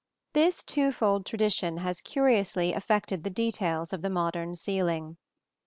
This twofold tradition has curiously affected the details of the modern ceiling.